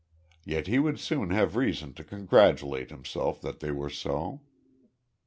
Yet he would soon have reason to congratulate himself that they were so.